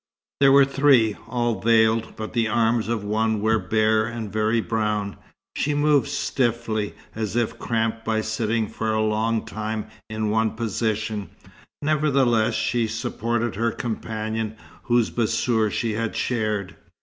There were three, all veiled, but the arms of one were bare and very brown. She moved stiffly, as if cramped by sitting for a long time in one position; nevertheless, she supported her companion, whose bassour she had shared.